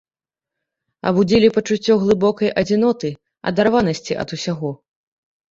Абудзілі пачуццё глыбокай адзіноты, адарванасці ад усяго.